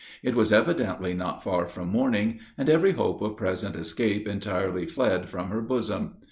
It was evidently not far from morning, and every hope of present escape entirely fled from her bosom.